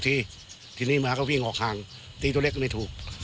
ทีนี้หมาก็วิ่งออกห่างตีตัวเล็กก็ไม่ถูก